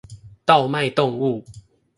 盜賣動物